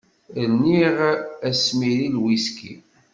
Rniɣ asmiri n lwiski.